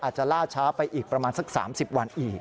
อาจจะล่าช้าไปอีกประมาณสัก๓๐วันอีก